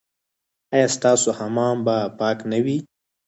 ایا ستاسو حمام به پاک نه وي؟